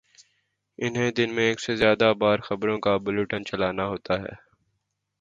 انہیں دن میں ایک سے زیادہ بار خبروں کے بلیٹن چلانا ہوتے ہیں۔